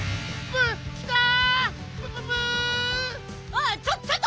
あっちょっと！